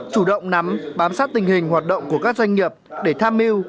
chủ động nắm bám sát tình hình hoạt động của các doanh nghiệp để tham mưu